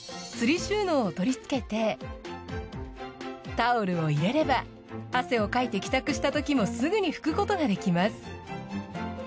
つり収納を取り付けてタオルを入れれば汗をかいて帰宅したときもすぐに拭くことができます。